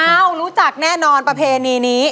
รู้จักแน่นอนประเพณีนี้